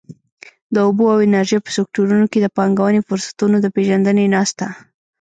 د اوبو او انرژۍ په سکټورونو کې د پانګونې فرصتونو د پېژندنې ناسته.